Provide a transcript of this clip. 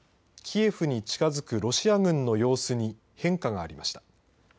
キエフに近づくロシア軍の様子に変化がありました。